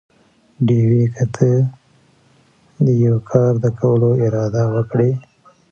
ډېوې!! که ته دې يوه کار د کولو اراده وکړي؟